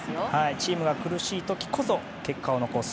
チームが苦しい時こそ結果を残す。